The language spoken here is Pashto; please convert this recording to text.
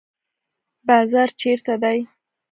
بازار چیرته دی؟